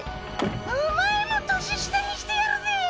お前も年下にしてやるぜえ。